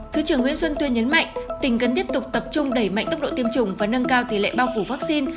thứ trưởng nguyễn xuân tuyên nhấn mạnh tỉnh cần tiếp tục tập trung đẩy mạnh tốc độ tiêm chủng và nâng cao tỷ lệ bao phủ vaccine